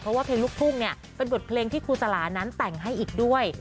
เพราะว่าเพลงลูกทุ่งเนี่ยเป็นบทเพลงที่ครูสลานั้นแต่งให้อีกด้วย